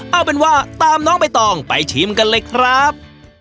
เอาเป็นว่าตามน้องใบตองไปชิมกันเลยครับ